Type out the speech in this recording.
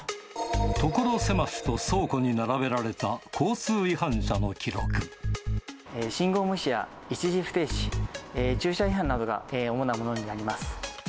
所狭しと倉庫に並べられた交信号無視や一時不停止、駐車違反などが主なものになります。